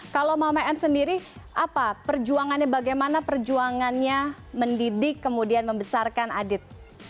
kalau mama m sendiri apa perjuangannya bagaimana perjuangannya mendidik kemudian membesarkan adit